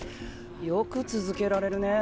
よく続けられるね！